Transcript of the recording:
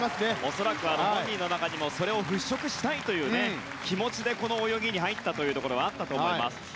恐らく、本人の中にもそれを払拭したいという気持ちでこの泳ぎに入ったというところあったかと思います。